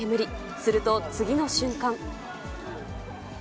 すると、次の瞬間。